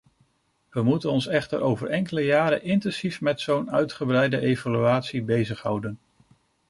We moeten ons echter over enkele jaren intensief met zo'n uitgebreide evaluatie bezighouden.